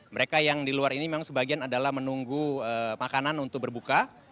mereka yang di luar ini memang sebagian adalah menunggu makanan untuk berbuka